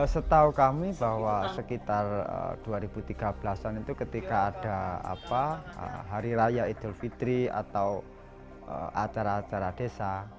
setahu kami bahwa sekitar dua ribu tiga belas an itu ketika ada hari raya idul fitri atau acara acara desa